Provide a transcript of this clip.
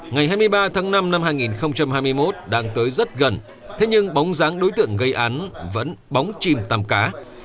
ngày hai mươi ba tháng năm năm hai nghìn hai mươi một đang tới rất gần thế nhưng bóng dáng đối tượng gây án vẫn bóng chìm tàu cá